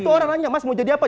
itu orang nanya mas mau jadi apa